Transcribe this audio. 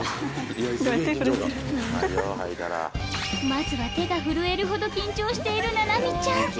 まずは手が震えるほど緊張している七海ちゃん。